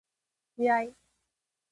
自愛